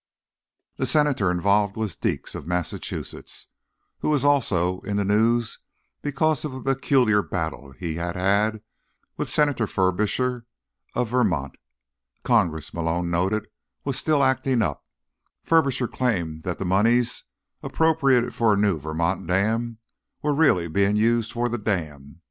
The senator involved was Deeks, of Massachusetts, who was also in the news because of a peculiar battle he had had with Senator Furbisher of Vermont. Congress, Malone noted, was still acting up. Furbisher claimed that the moneys appropriated for a new Vermont dam were really being used for the dam.